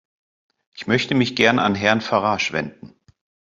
Ich möchte mich gern an Herrn Farage wenden.